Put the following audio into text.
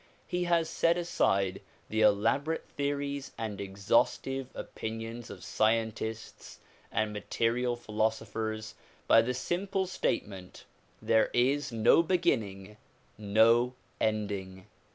He has set aside the elaborate theories and exhaustive opinions of scientists and material philosophers by the simple state ment "There is no beginning, no ending."